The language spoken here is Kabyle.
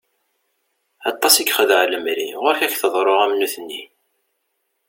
Aṭas i yexdeɛ lemri, ɣuṛ-k i k-tḍeṛṛu am nutni!